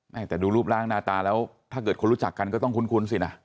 แต่ดูรูปร่างหน้าตาแล้วถ้าเกิดคนรู้จักกันก็ต้องคุ้นสินะ